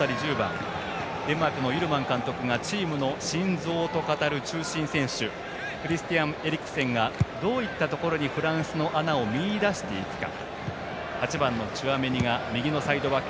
デンマークのユルマン監督がチームの心臓と語る中心選手クリスティアン・エリクセンがどういったところにフランスの穴を見いだすか。